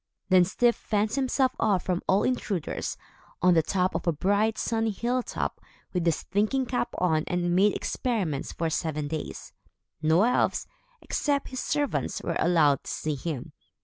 Then Styf fenced himself off from all intruders, on the top of a bright, sunny hilltop, with his thinking cap on and made experiments for seven days. No elves, except his servants, were allowed to see him.